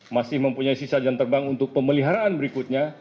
masih mempunyai sisa jam terbang untuk pemeliharaan berikutnya